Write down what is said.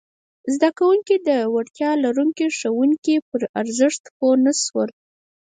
زده کوونکي د وړتیا لرونکي ښوونکي پر ارزښت پوه نه شول!